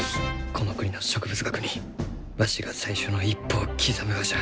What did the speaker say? この国の植物学にわしが最初の一歩を刻むがじゃ。